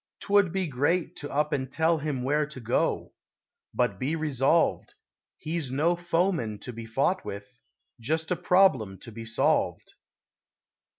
'Twould be great to up and tell him Where to go. But be resolved He's no foeman to be fought with, Just a problem to be solved.